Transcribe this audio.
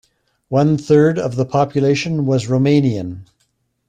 One third of the population was Romanian.